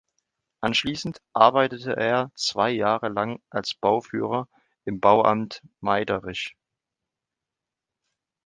Anschließend arbeitete er zwei Jahre lang als Bauführer im Bauamt Meiderich.